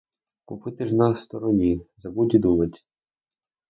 Купити ж на стороні — забудь і думать.